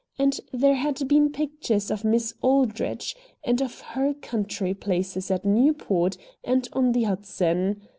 And there had been pictures of Miss Aldrich, and of HER country places at Newport and on the Hudson.